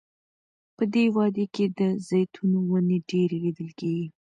په دې وادۍ کې د زیتونو ونې ډیرې لیدل کیږي.